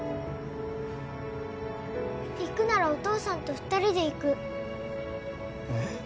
行くならお父さんと２人で行くえっ？